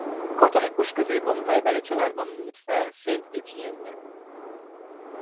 Katolikus középosztálybeli családban nőtt fel Saint-Étienne-ben.